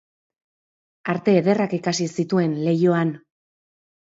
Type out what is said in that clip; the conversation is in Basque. Arte ederrak ikasi zituen Leioan.